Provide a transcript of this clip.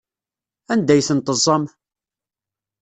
Anda ay ten-teẓẓam?